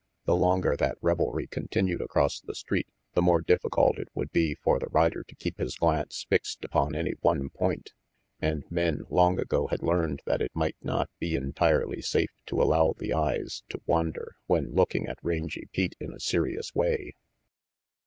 The longer that revelry continued across the street, the more difficult it would be for the rider to keep his glance fixed upon any one point and men long ago had learned that it might not be entirely safe to allow the eyes to wander when looking at Rangy Pete in a serious way.